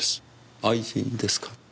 愛人ですか？